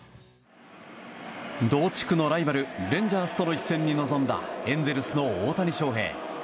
同地区のライバルレンジャーズとの一戦に臨んだエンゼルスの大谷翔平。